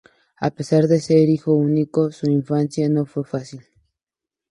A pesar de ser hijo único su infancia no fue fácil.